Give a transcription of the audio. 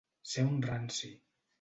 Ser un ranci.